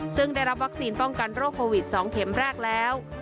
ซึ่งได้รับวัคซีนป้องกันโรคโควิด๒เข็มแรกแล้ว